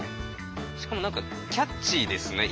しかも何かキャッチーですね。